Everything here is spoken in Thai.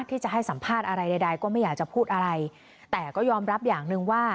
ที่จะให้สัมภาษณ์อะไรใดใดก็ไม่อยากจะพูดอะไรแต่ก็ยอมรับอย่างหนึ่งว่า